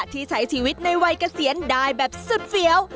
ที่ใช้ชีวิตในวัยเกษียณได้แบบสุดเฟี้ยว